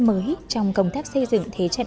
mới trong công tác xây dựng thế trận